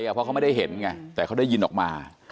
เพราะเขาไม่ได้เห็นไงแต่เขาได้ยินออกมา